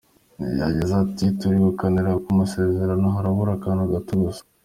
Yagize ati” turi kuganira ku masezerano, harabura akantu gato gusa.